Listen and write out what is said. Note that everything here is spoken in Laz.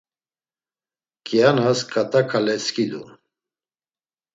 Kianas ǩat̆a ǩale skidun.